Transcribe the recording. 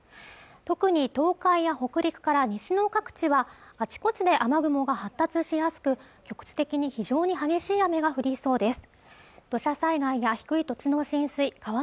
特に東海や北陸から西の各地はあちこちで雨雲が発達しやすく局地的に非常に激しい雨が降りそうです